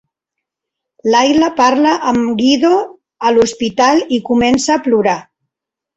Layla parla amb Guido a l'hospital i comença a plorar.